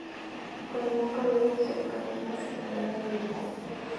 Por algún período desempeñó una capellanía militar.